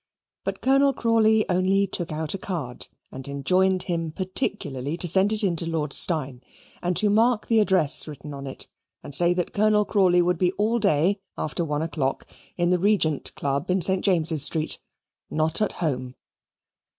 But Colonel Crawley only took out a card and enjoined him particularly to send it in to Lord Steyne, and to mark the address written on it, and say that Colonel Crawley would be all day after one o'clock at the Regent Club in St. James's Street not at home.